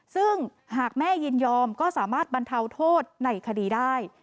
ซึ่งหากแม่ยินยอมก็สามารถบรรเทาโทษในคดีได้